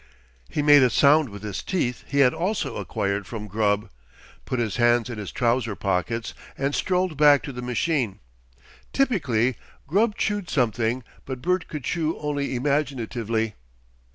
He made a sound with his teeth he had also acquired from Grubb, put his hands in his trouser pockets, and strolled back to the machine. Typically Grubb chewed something, but Bert could chew only imaginatively.